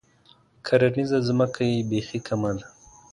کرنیزه ځمکه یې بیخي کمه ده.